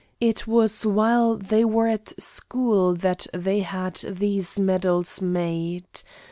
It was while they were at school that they had these medals made.